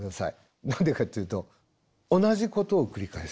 何でかっていうと同じことを繰り返す。